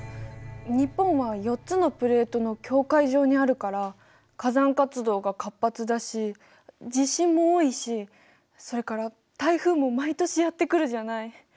日本は４つのプレートの境界上にあるから火山活動が活発だし地震も多いしそれから台風も毎年やってくるじゃない。